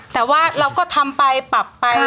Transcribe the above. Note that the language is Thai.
แต่ว่าเราก็ทำไปปรับไป